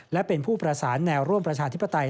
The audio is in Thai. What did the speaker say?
และเป็นผู้ประสานแนวร่วมประชาธิปไตย